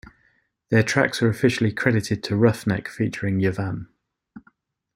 Their tracks are officially credited to Ruffneck featuring Yavahn.